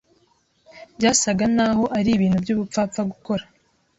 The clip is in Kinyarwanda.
Byasaga naho ari ibintu by'ubupfapfa gukora